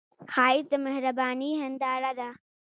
ښایست د مهرباني هنداره ده